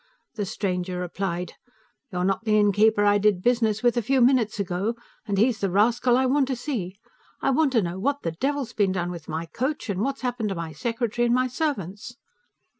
The stranger replied: "You're not the innkeeper I did business with a few minutes ago, and he's the rascal I want to see. I want to know what the devil's been done with my coach, and what's happened to my secretary and my servants."